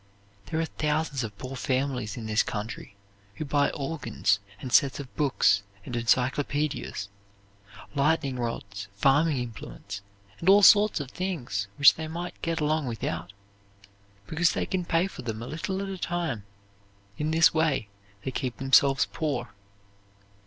There are thousands of poor families in this country who buy organs and sets of books and encyclopedias, lightning rods, farming implements, and all sorts of things which they might get along without, because they can pay for them a little at a time. In this way, they keep themselves poor.